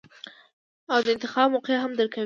او د انتخاب موقع هم درکوي -